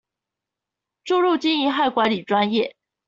注入經營和管理專業